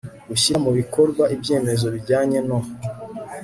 gushyira mu bikorwa ibyemezo bijyanye no